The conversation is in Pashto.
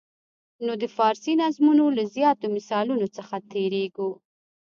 نو د فارسي نظمونو له زیاتو مثالونو څخه تېریږو.